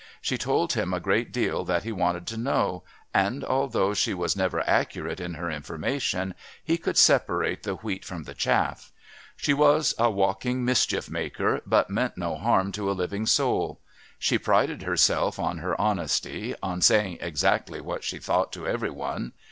She told him a great deal that he wanted to know, and although she was never accurate in her information, he could separate the wheat from the chaff. She was a walking mischief maker, but meant no harm to a living soul. She prided herself on her honesty, on saying exactly what she thought to every one.